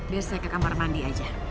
biar saya ke kamar mandi aja